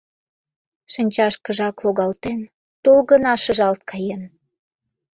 Шинчашкыжак логалтен, тул гына шыжалт каен.